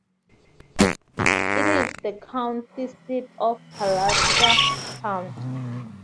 It is the county seat of Kalkaska County.